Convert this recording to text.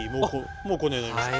もうこんなになりました。